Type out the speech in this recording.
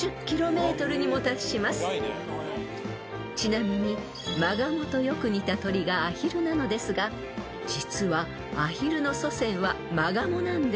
［ちなみにマガモとよく似た鳥がアヒルなのですが実はアヒルの祖先はマガモなんです］